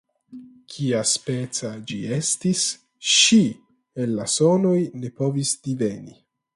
Kiaspeca ĝi estis, ŝi el la sonoj ne povis diveni.